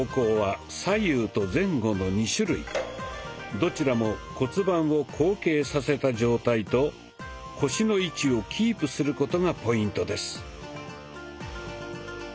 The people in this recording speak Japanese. どちらも骨盤を後傾させた状態と腰の位置をキープすることがポイントです。